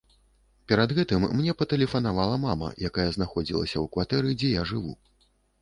Перад гэтым мне патэлефанавала мама, якая знаходзілася ў кватэры, дзе я жыву.